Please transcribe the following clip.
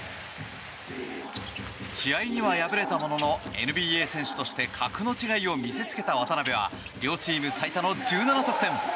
試合には敗れたもののＮＢＡ選手として格の違いを見せつけた渡邊は両チーム最多の１７得点。